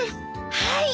はい！